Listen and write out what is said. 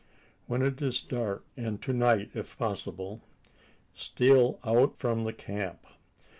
When it is dark and to night if possible steal out from the camp.